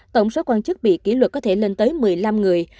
tổng số quan chức bị kỷ luật có thể lên tới một mươi năm người